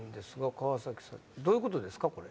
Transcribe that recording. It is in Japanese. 「川崎さん」どういうことですかこれ？